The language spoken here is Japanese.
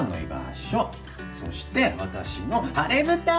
そして私の晴れ舞台！